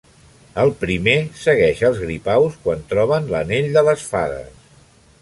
El primer segueix als gripaus quan troben l'anell de les fades.